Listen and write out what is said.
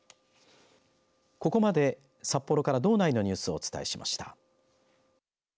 ここまで札幌から道内のニュースをお伝えしました。